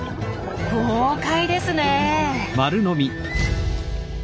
豪快ですねえ。